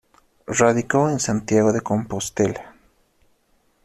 Radicó en Santiago de Compostela.